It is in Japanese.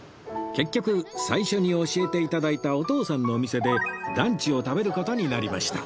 結局最初に教えて頂いたお父さんのお店でランチを食べる事になりました